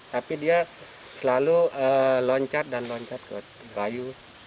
tapi dia selalu loncat dan loncat ke bayu